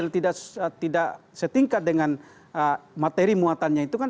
tidak setingkat dengan materi muatannya itu kan